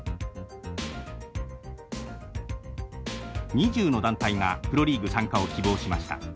２０の団体がプロリーグ参加を希望しました。